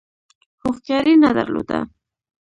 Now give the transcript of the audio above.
هوښیاري نه درلوده.